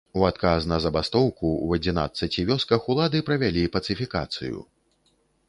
У адказ на забастоўку ў адзінаццаці вёсках улады правялі пацыфікацыю.